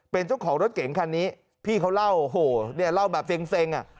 เป็นเจ้าของรถเก๋งคันนี้พี่เขาเล่าโอ้โหเนี่ยเล่าแบบเซ็งอ่ะ